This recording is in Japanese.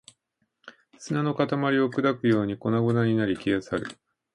砂の塊を砕くように粉々になり、消え去る